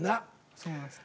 そうなんですか。